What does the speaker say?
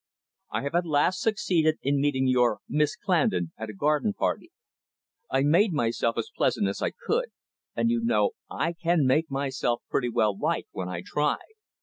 "I have at last succeeded in meeting your Miss Clandon at a garden party. I made myself as pleasant as I could, and you know I can make myself pretty well liked when I try.